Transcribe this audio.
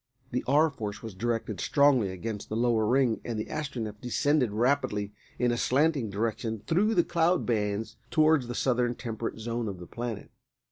The R. Force was directed strongly against the lower ring, and the Astronef descended rapidly in a slanting direction through the cloud bands towards the southern temperate zone of the planet.